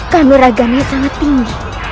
kanur agarnya sangat tinggi